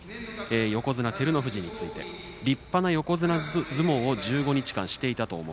横綱照ノ富士について立派な横綱相撲を１５日間していたと思う。